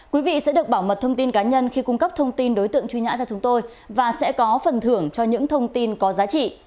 quý vị sẽ được bảo mật thông tin cá nhân khi cung cấp thông tin đối tượng truy nã cho chúng tôi và sẽ có phần thưởng cho những thông tin có giá trị